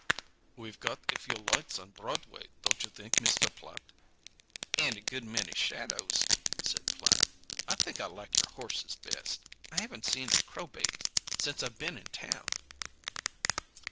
"We've got a few lights on Broadway, don't you think, Mr. Platt?" "And a good many shadows," said Platt. "I think I like your horses best. I haven't seen a crow bait since I've been in town."